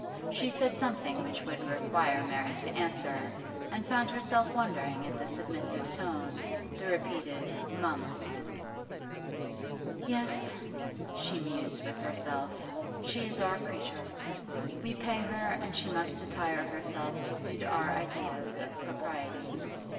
She said something which would require Mary to answer, and found herself wondering at the submissive tone, the repeated 'Mum.' 'Yes,' she mused with herself, 'she is our creature. We pay her and she must attire herself to suit our ideas of propriety.